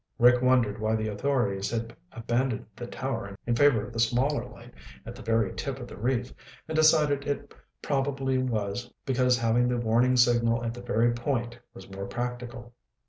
Rick wondered why the authorities had abandoned the tower in favor of the smaller light at the very tip of the reef and decided it probably was because having the warning signal at the very point was more practical.